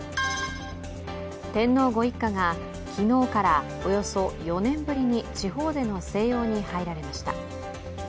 天皇ご一家が昨日からおよそ４年ぶりに地方での静養に入られました。